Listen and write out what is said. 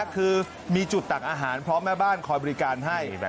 คือมีจุดตักอาหารเพราะแม่บ้านคอยบริการให้